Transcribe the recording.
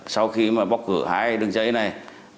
sau khi bóc cửa hai đường dây này